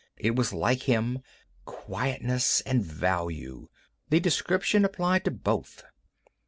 It was like him. Quietness and value—the description applied to both.